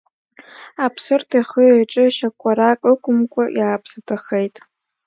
Аԥсырҭ ихы-иҿы шьакәарак ықәымкәа иааԥсадахеит.